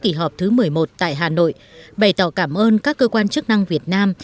kỳ họp thứ một mươi một tại hà nội bày tỏ cảm ơn các cơ quan chức năng việt nam